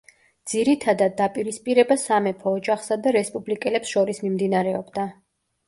ძირითადად დაპირისპირება სამეფო ოჯახსა და რესპუბლიკელებს შორის მიმდინარეობდა.